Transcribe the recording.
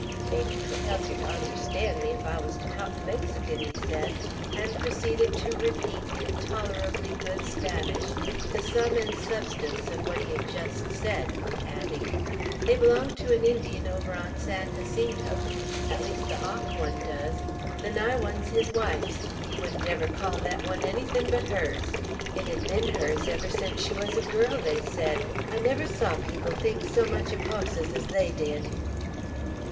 "Mebbe 't would holp yer tew understand me ef I wuz tew talk Mexican," he said, and proceeded to repeat in tolerably good Spanish the sum and substance of what he had just said, adding: "They belong to an Indian over on San Jacinto; at least, the off one does; the nigh one's his wife's; he wouldn't ever call thet one anything but hers. It had been hers ever sence she was a girl, they said, I never saw people think so much of hosses as they did."